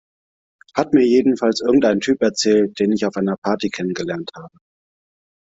Hat mir jedenfalls irgendein Typ erzählt, den ich auf einer Party kennengelernt habe.